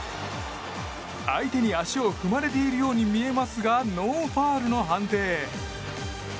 相手に足を踏まれているように見えますがノーファウルの判定。